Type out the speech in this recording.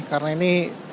karena ini pertama